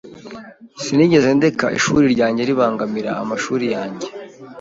Sinigeze ndeka ishuri ryanjye ribangamira amashuri yanjye.